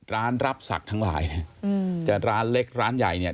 ร้านรับศักดิ์ทั้งหลายอืมแต่ร้านเล็กร้านใหญ่เนี่ย